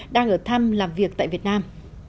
đang ở thăm làm việc tại việt nam